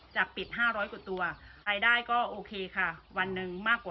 จากปิดห้าร้อยกว่าตัว